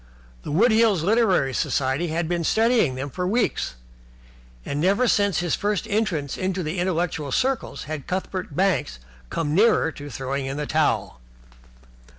The Wood Hills Literary Society had been studying them for weeks, and never since his first entrance into intellectual circles had Cuthbert Banks come nearer to throwing in the towel.